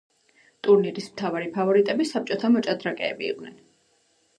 ტურნირის მთავარი ფავორიტები საბჭოთა მოჭადრაკეები იყვნენ.